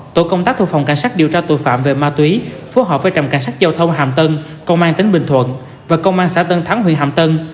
tổ công tác thuộc phòng cảnh sát điều tra tội phạm về ma túy phối hợp với trạm cảnh sát giao thông hàm tân công an tỉnh bình thuận và công an xã tân thắng huyện hàm tân